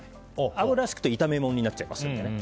油ひくと炒め物になっちゃいますので。